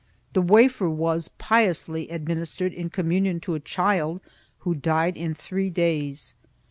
The wafer was piously administered in communion to a child who died in three days.